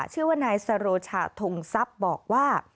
ชื่อว่านายสโรชาทงทรัพย์บอกว่า